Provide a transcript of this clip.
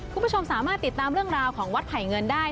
คุณผู้ชมสามารถติดตามเรื่องราวของวัดไผ่เงินได้